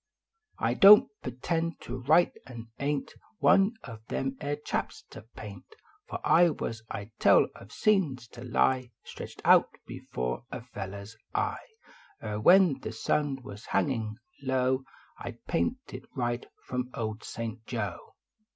I don t p tend to write, an ain t One of them air chaps t paint ; F I was I d tell of scenes t lie Stretched out afore a feller s eye ; Kr when the sun was hangin low I d paint it right from Old St. Joe.